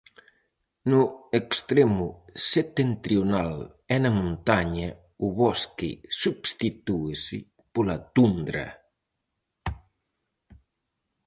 No extremo setentrional e na montaña, o bosque substitúese pola tundra.